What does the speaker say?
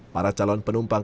para calon penumpang